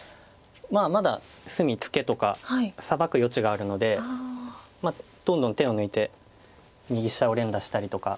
まだ隅ツケとかサバく余地があるのでどんどん手を抜いて右下を連打したりとか。